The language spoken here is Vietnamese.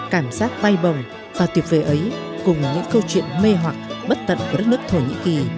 cảm giác bay bồng và tuyệt vời ấy cùng những câu chuyện mê hoặc bất tận của đất nước thổ nhĩ kỳ